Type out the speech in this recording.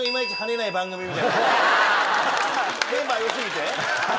メンバー良過ぎて。